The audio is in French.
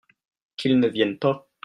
Qu'il ne vienne pas